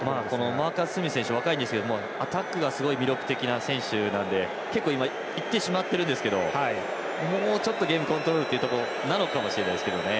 マーカス・スミス選手若いんですがアタックがすごい魅力的な選手なので結構いってしまってるんですがもうちょっとゲームコントロールというところなのかもしれません。